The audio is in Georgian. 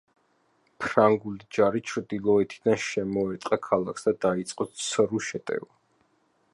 ფრანგული ჯარი ჩრდილოეთიდან შემოერტყა ქალაქს და დაიწყო ცრუ შეტევა.